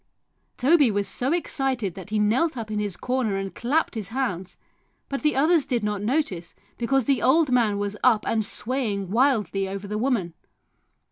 Toby was so excited that he knelt up in his corner and clapped his hands, but the others did not notice because the old man was up and swaying wildly over the woman.